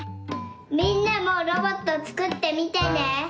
みんなもロボットつくってみてね。